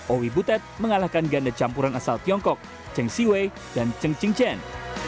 owi butet mengalahkan ganda campuran asal tiongkok cheng siwe dan cheng ching chen